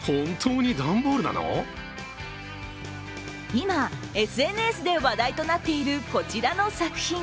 今、ＳＮＳで話題となっているこちらの作品。